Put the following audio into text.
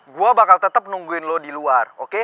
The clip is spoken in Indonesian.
gua bakal tetep nungguin lo diluar oke